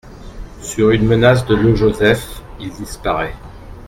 Sur une menace de Le Joseph, il disparaît.